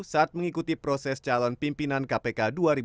saat mengikuti proses calon pimpinan kpk dua ribu dua puluh